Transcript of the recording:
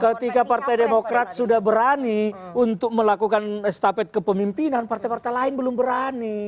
ketika partai demokrat sudah berani untuk melakukan estafet kepemimpinan partai partai lain belum berani